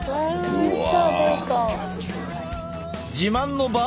おいしそ！